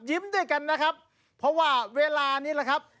ด้วยกันนะครับเพราะว่าเวลานี้แหละครับ